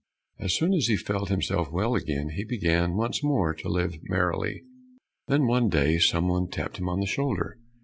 As soon as he felt himself well again he began once more to live merrily. Then one day some one tapped him on the shoulder.